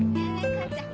完ちゃん。